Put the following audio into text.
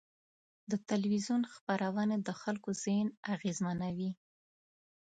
د تلویزیون خپرونې د خلکو ذهن اغېزمنوي.